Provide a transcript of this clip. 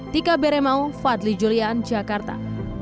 tika beremau fadli julian jakarta